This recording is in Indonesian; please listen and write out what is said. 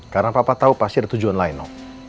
karena papa tahu pasti ada tujuan lain no